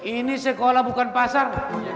ini sekolah bukan pasar